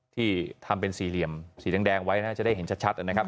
ที่ทำเป็นสี่เหลี่ยมสีแดงไว้น่าจะได้เห็นชัดนะครับ